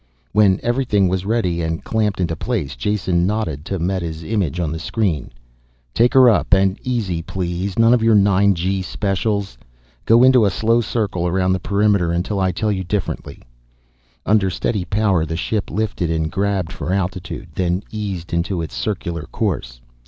When everything was ready and clamped into place, Jason nodded to Meta's image on the screen. "Take her up and easy please. None of your nine G specials. Go into a slow circle around the perimeter, until I tell you differently." Under steady power the ship lifted and grabbed for altitude, then eased into its circular course.